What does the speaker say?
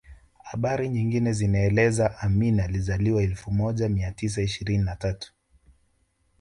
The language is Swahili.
Habari nyingine zinaeleza Amin alizaliwa elfu moja mia tisa ishirini na tatu